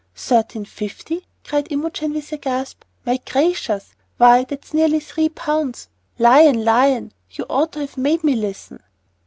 "Thirteen fifty," cried Imogen with a gasp. "My gracious! why, that's nearly three pounds! Lion! Lion! you ought to have made me listen."